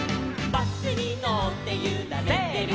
「バスにのってゆられてる」